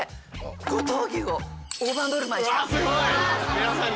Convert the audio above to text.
皆さんに？